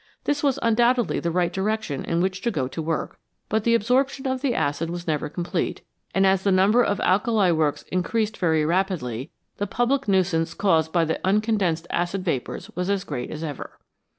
This was undoubtedly the right direction in which to go to work, but the absorption of the acid was never complete, and as the number of alkali works increased very rapidly, the public nuisance caused by the uncondensed acid vapours was as great as ever.